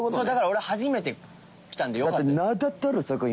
だから俺初めて来たんでよかったです。